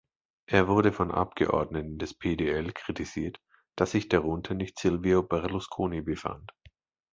Er wurde von Abgeordneten des PdL kritisiert, dass sich darunter nicht Silvio Berlusconi befand.